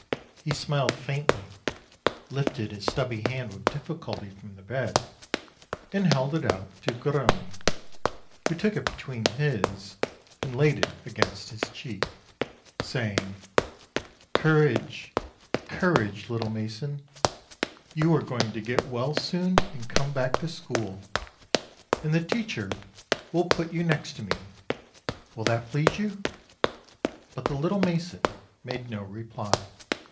He smiled faintly, lifted his stubby hand with LITTLE MASON ON HIS SICK BED 199 difficulty from the bed and held it out to Garrone, who took it between his, and laid it against his cheek, saying : "Courage, courage, little mason; you are going to get well soon and come back to school, and the teacher will put you next to me; will that please you?" But the little mason made no reply.